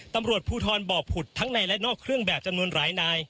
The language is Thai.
ตำรวจภูทรบ่อผุดทั้งในและนอกเครื่องแบบจำนวนหลายนาย